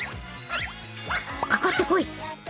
かかってこい！